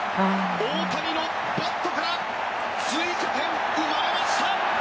大谷のバットから追加点が生まれました！